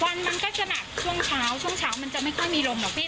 มันก็จะหนักช่วงเช้าช่วงเช้ามันจะไม่ค่อยมีลมหรอกพี่